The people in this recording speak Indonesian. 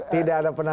tidak ada penantang